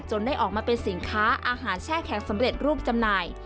ได้ออกมาเป็นสินค้าอาหารแช่แข็งสำเร็จรูปจำหน่าย